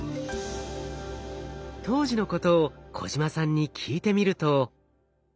当時のことを小島さんに聞いてみると。